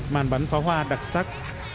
màn bắn phá hoa đặc sắc